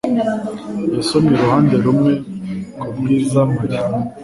yasomye uruhande rumwe kubwiza marie